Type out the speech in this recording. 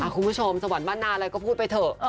คุณผู้ชมสวรรค์บ้านนาอะไรก็พูดไปเถอะ